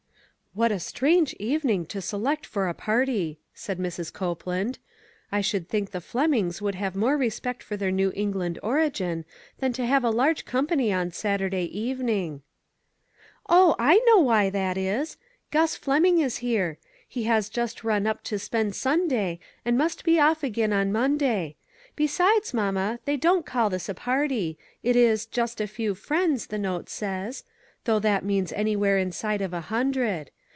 "What a strange evening to select for a party," said Mrs. Copeland. " I should think the Flemings would have more respect for their New England origin than to have a large company on Saturday evening." " Oh ! I know why that is ; Gus Fleming is here. He has just run up to spend Sun day, and must be off again on Monda}r. Besides, mamma, they don't call this a party; it is 'just a few friends,' the note says; though that means anywhere inside of a hun dred.